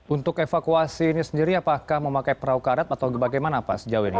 untuk evakuasi ini sendiri apakah memakai perahu karet atau bagaimana pak sejauh ini